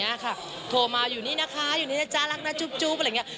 เนี่ยค่ะโทรมาอยู่นี่นะคะอยู่นี่นะจ๊ะรักนะจุ๊บอะไรอย่างนี้